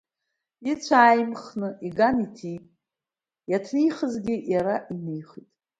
Ицә ааимхны иган иҭиит, иаҭнихызгьы иара инихит.